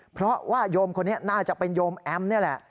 เพราะว่าโยมคนนี้น่าจะเป็นโยมแอมนี่แหละ